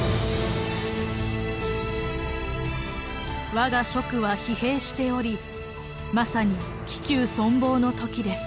「我が蜀は疲弊しておりまさに危急存亡の時です。